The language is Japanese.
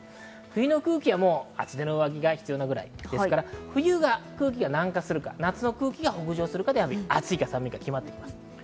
冬の空気は厚手の上着が必要なぐらいですから、冬が空気が南下するか、夏の空気が北上するかで暑いか寒いか決まります。